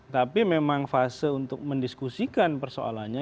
tapi memang fase untuk mendiskusikan persoalannya